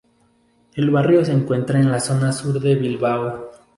El barrio se encuentra en la zona sur de Bilbao.